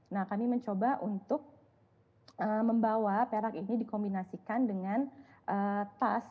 nah kami mencoba untuk membawa perak ini dikombinasikan dengan tas